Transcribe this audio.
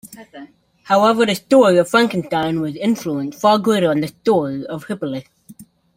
However, the story of Frankenstein was influenced far greater on the story of Hippolytus.